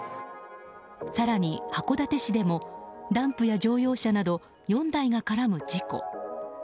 更に、函館市でもダンプや乗用車など４台が絡む事故。